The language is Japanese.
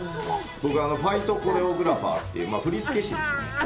僕はファイトコレオグラファーって、振付師ですね。